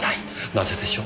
なぜでしょう？